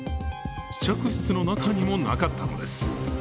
試着室の中にもなかったのです。